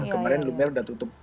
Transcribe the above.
kemarin lumier udah tutup